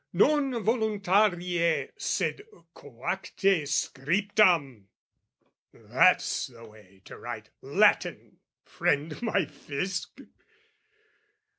Non voluntarie sed coacte scriptam! That's the way to write Latin, friend my Fisc!